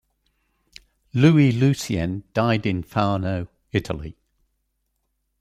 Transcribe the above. Louis Lucien died at Fano, Italy.